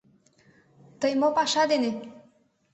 Тый мо паша дене?